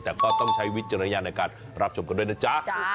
แต่ก็ต้องใช้วิจารณญาณในการรับชมกันด้วยนะจ๊ะ